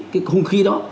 cái không khí đó